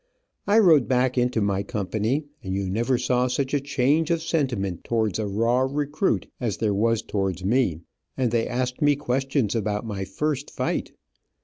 I rode back into my company, and you never saw such a change of sentiment towards a raw recruit, as there was towards me, and they asked me questions about my first fight.